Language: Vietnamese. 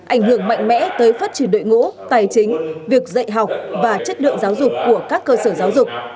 ảnh hưởng mạnh mẽ tới phát triển đội ngũ tài chính việc dạy học và chất lượng giáo dục của các cơ sở giáo dục